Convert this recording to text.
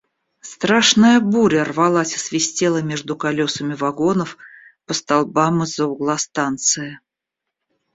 Страшная буря рвалась и свистела между колесами вагонов по столбам из-за угла станции.